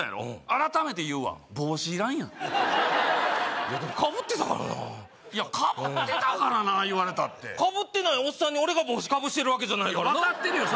改めて言うわ帽子いらんやんでもかぶってたからないやかぶってたからな言われたってかぶってないおっさんに俺が帽子かぶしてるわけじゃないからな分かってるよ